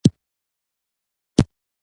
د هرات پوهنتون ته یې ډالۍ کړل.